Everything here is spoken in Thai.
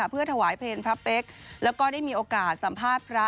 เพื่อถวายเพลงพระเป๊กแล้วก็ได้มีโอกาสสัมภาษณ์พระ